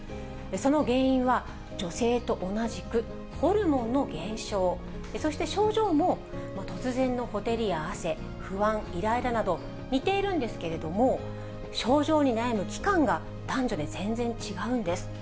その原因は、女性と同じく、ホルモンの減少、そして症状も、突然のほてりや汗、不安、いらいらなど、似ているんですけれども、症状に悩む期間が男女で全然違うんです。